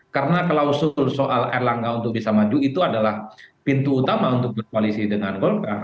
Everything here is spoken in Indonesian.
karena klausul soal elangga untuk bisa maju itu adalah pintu utama untuk berkoalisi dengan golkar